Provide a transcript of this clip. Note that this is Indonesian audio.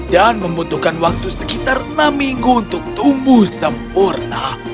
dan membutuhkan waktu sekitar enam minggu untuk tumbuh sempurna